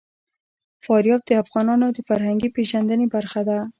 فاریاب د افغانانو د فرهنګي پیژندنې برخه ده.